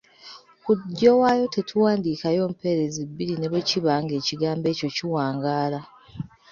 Ku ddyo waayo tetuwandiikayo mpereezi bbiri ne bwe kiba nga ekigambo ekyo kiwangaala.